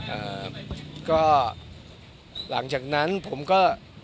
เอ่อก็หลังจากนั้นผมก็